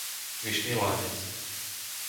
Vyšný Lánec